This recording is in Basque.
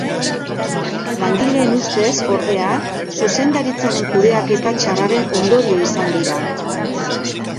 Langileen ustez, ordea, zuzendaritzaren kudeaketa txarraren ondorio izan dira.